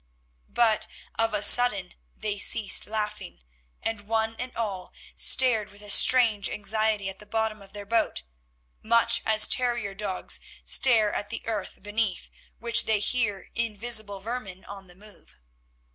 But of a sudden they ceased laughing, and one and all stared with a strange anxiety at the bottom of their boat, much as terrier dogs stare at the earth beneath which they hear invisible vermin on the move.